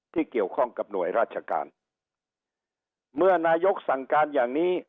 ที่เกี่ยวข้องกับหน่วยราชการเมื่อนายกสั่งการอย่างนี้